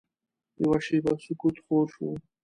یوه شېبه سکوت خور شو.